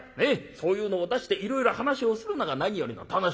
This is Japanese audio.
そういうのを出していろいろ話をするのが何よりの楽しみだ。